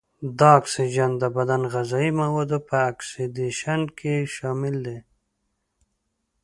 دا اکسیجن د بدن غذايي موادو په اکسیدیشن کې شامل دی.